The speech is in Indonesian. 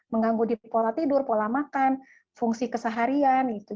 mengganggu di pola tidur pola makan fungsi keseharian gitu